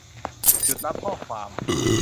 หยุดรับข้อความ